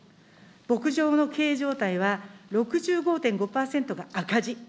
牧場の経営状態は６５．５％が赤字。